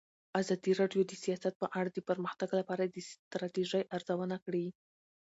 ازادي راډیو د سیاست په اړه د پرمختګ لپاره د ستراتیژۍ ارزونه کړې.